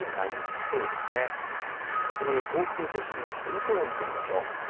そこで東京都心のポイント予報を見ていきましょう。